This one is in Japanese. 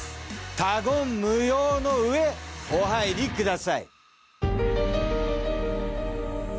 他言無用のうえお入りください。